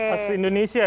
pas indonesia ya